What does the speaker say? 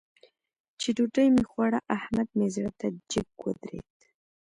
چې ډوډۍ مې خوړه؛ احمد مې زړه ته جګ ودرېد.